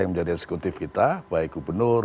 yang menjadi eksekutif kita baik gubernur